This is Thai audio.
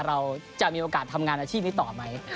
เราจะมีโอกาสทำงานอาชีพนี้ต่อไหม